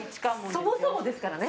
そもそもですからね。